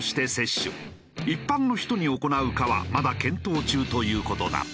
一般の人に行うかはまだ検討中という事だ。